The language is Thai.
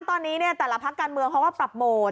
ตอนนี้แต่ละพักการเมืองเขาก็ปรับโหมด